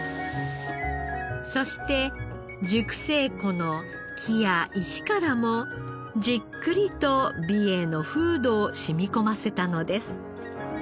そして熟成庫の木や石からもじっくりと美瑛の風土を染み込ませたのです。